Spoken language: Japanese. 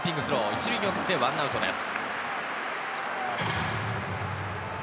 １塁に送って１アウトです。